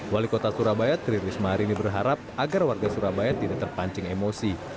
wali kota surabaya tri risma hari ini berharap agar warga surabaya tidak terpancing emosi